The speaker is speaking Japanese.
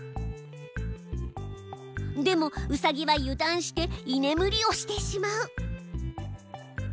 でもうさぎは油断していねむりをしてしまう。